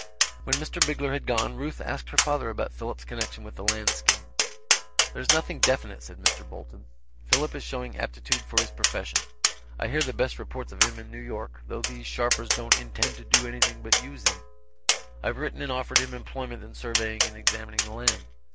When Mr. Bigler had gone, Ruth asked her father about Philip's connection with the land scheme. "There's nothing definite," said Mr. Bolton. "Philip is showing aptitude for his profession. I hear the best reports of him in New York, though those sharpers don't intend to do anything but use him. I've written and offered him employment in surveying and examining the land.